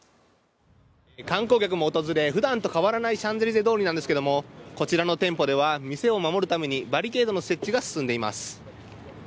観光客も訪れ普段と変わらないシャンゼリゼ通りなんですがこちらの店舗では店を守るためにバリケードの設置が進んでいます。